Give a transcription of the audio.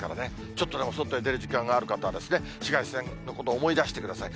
ちょっとでも外へ出る時間がある方は、紫外線のことを思い出してください。